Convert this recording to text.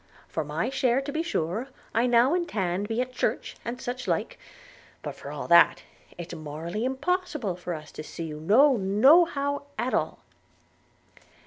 – For my share, to be sure, I now and tan be at church, and such like; but for all that, it's morally impossible for us to see you no nohow at all.'